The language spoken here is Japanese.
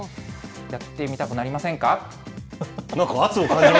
やってみたくなりませんか？